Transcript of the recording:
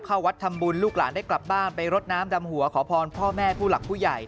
เข้าวัดทำบุญลูกหลานได้กลับบ้านไปรดน้ำดำหัวขอพรพ่อแม่ผู้หลักผู้ใหญ่